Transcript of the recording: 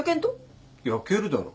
焼けるだろ。